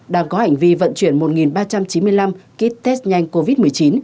đang có hành vi vận chuyển một ba trăm chín mươi năm kit test nhanh covid một mươi chín